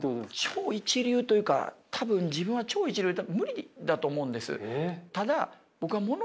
超一流というか多分自分は超一流多分無理だと思うんです。